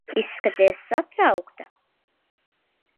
Izskaties satraukta.